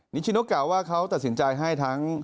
ชิโนกล่าวว่าเขาตัดสินใจให้ทั้ง